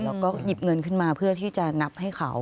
แล้วก็หยิบเงินขึ้นมาเพื่อที่จะนับให้เขา